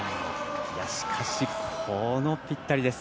しかし、このぴったりです。